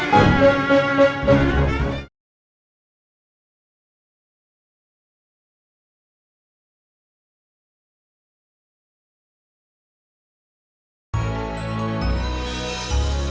mama bangun mas